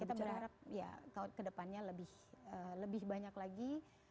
ya kita berharap ke depannya lebih banyak lagi